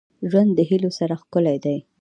• ژوند د هيلو سره ښکلی دی.